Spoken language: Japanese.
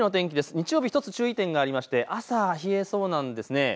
日曜日、１つ注意点がありまして朝冷えそうなんです。